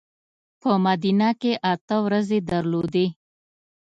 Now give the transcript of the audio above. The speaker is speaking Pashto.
په مدینه کې اته ورځې درلودې.